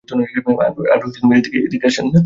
আরে, এদিকে আসেন না।